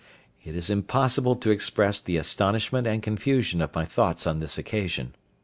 It is impossible to express the astonishment and confusion of my thoughts on this occasion.